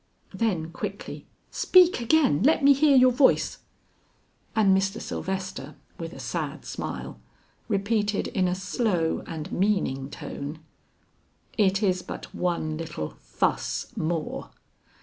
Then quickly, "Speak again; let me hear your voice." And Mr. Sylvester with a sad smile, repeated in a slow and meaning tone, "It is but one little fuss more!"